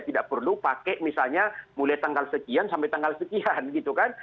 tidak perlu pakai misalnya mulai tanggal sekian sampai tanggal sekian gitu kan